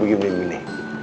begini begini begini